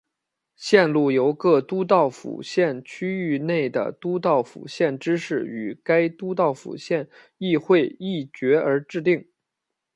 路线由各都道府县区域内的都道府县知事与该都道府县议会议决而制定。